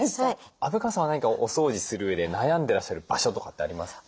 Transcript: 虻川さんは何かお掃除するうえで悩んでらっしゃる場所とかってありますか？